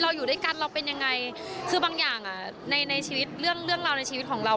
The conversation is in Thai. เราอยู่ด้วยกันเราเป็นยังไงคือบางอย่างในชีวิตเรื่องเราในชีวิตของเรา